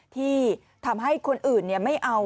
ที่ทำให้คนอาจจะมีความเสียหาย